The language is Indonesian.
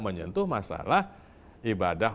menyentuh masalah ibadah